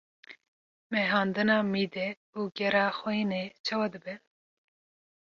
mehandina mîdê û gera xwînê çawa dibe?